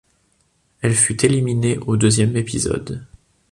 Elle fut éliminée au deuxième épisode.